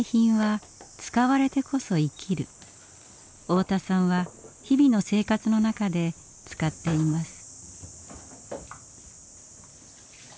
太田さんは日々の生活の中で使っています。